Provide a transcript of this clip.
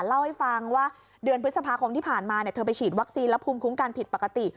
เล่าให้ฟังว่าเดือนพฤษภาคมที่ผ่านมาเธอไปฉีดวัคซีนและภูมิคุ้มกันผิดปกติ